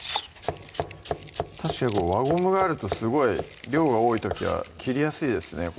確かに輪ゴムがあるとすごい量が多い時は切りやすいですね